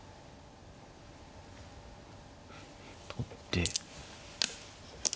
取って。